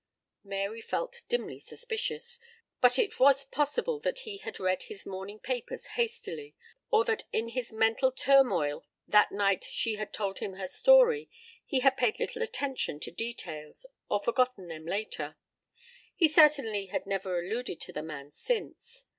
Mary felt dimly suspicious, but it was possible that he had read his morning papers hastily, or that in his mental turmoil that night she had told him her story he had paid little attention to details, or forgotten them later. He certainly had never alluded to the man since.